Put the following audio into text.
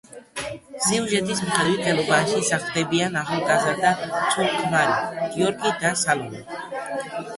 სიუჟეტის მიხედვით, ძველ უბანში სახლდებიან ახალგაზრდა ცოლ-ქმარი, გიორგი და სალომე.